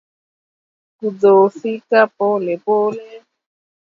Kudhoofika polepole